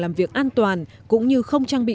làm việc an toàn cũng như không trang bị